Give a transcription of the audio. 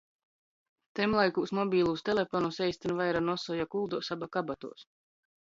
Tymlaikūs mobilūs teleponus eistyn vaira nosuoja kulduos aba kabatuos.